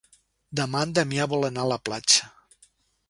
Demà en Damià vol anar a la platja.